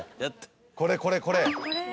これこれこれ。